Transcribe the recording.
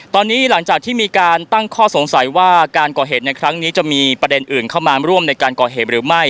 ตอนนี้หลังจากที่มีการตั้งข้อสงสัยว่าการก่อเหตุในครั้งนี้จะมีประเด็นอื่นเข้ามาร่วมในการก่อเหตุหรือไม่